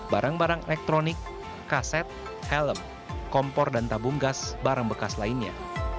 barang barang elektronik kaset helm kompor dan tabung gas barang bekas lainnya